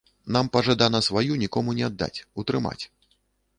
Нам пажадана сваю нікому не аддаць, утрымаць.